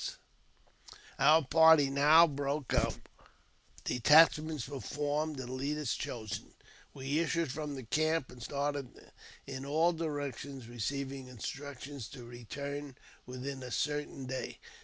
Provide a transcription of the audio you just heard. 128 AUTOBIOGBAPHY OF JAMES P. BECKWOUBTH. Our party now broke up ; detachments were formed and leaders chosen. We issued from the camp, and started in all directions, receiving instructions to return within a certain day.